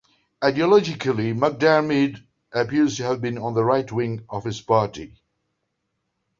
Ideologically, McDiarmid appears to have been on the right-wing of his party.